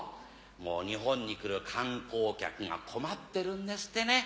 日本に来る観光客が困ってるんですってね。